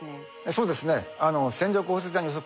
そうですね。